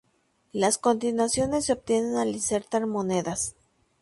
Las continuaciones se obtienen al insertar monedas.